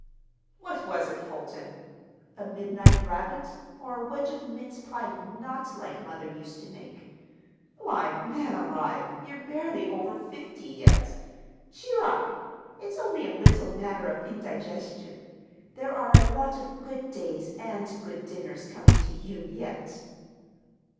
"What was it, Fulton? A midnight rabbit, or a wedge of mince pie not like mother used to make? Why, man alive, you're barely over fifty, yet. Cheer up! It's only a little matter of indigestion. There are a lot of good days and good dinners coming to you, yet."